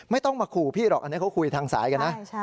ไม่ต้องมาขู่พี่หรอกอันนี้เขาคุยทางสายกันนะ